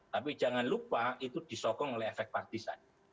tapi jangan lupa itu disokong oleh efek partisan